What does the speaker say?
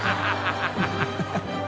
ハハハ